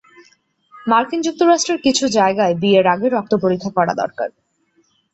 মার্কিন যুক্তরাষ্ট্রের কিছু জায়গায় বিয়ের আগে রক্ত পরীক্ষা করা দরকার।